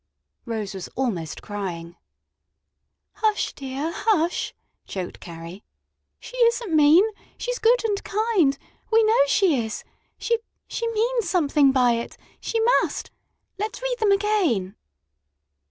Rose was almost crying. "Hush, dear, hush!" choked Carrie. "She isn't mean; she's good and kind we know she is. She she means something by it; she must. Let's read them again!"